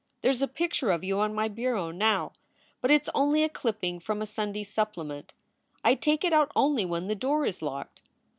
There s a picture of you on my bureau now, but it s only a clipping from a Sunday supplement. I take it out only when the door is locked.